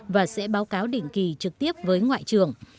và sẽ báo cáo định kỳ trực tiếp với ngoại trưởng